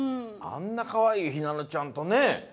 あんなかわいいひなのちゃんとね。